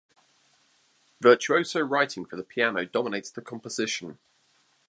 Virtuoso writing for the piano dominates the composition.